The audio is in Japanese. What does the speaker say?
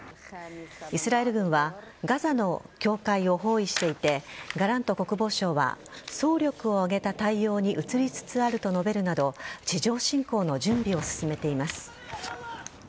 イスラエル軍はガザの境界を包囲していてガラント国防相は総力を挙げた対応に移りつつあると述べるなど地上侵攻の準備を進めています。